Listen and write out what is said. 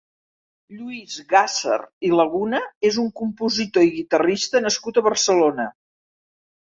Lluís Gàsser i Laguna és un compositor i guitarrista nascut a Barcelona.